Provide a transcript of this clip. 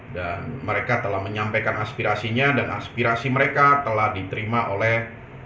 dan mereka telah menyampaikan aspirasinya dan aspirasi mereka telah diterima oleh